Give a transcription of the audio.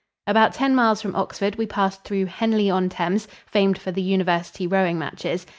About ten miles from Oxford we passed through Henley on Thames, famed for the University rowing matches.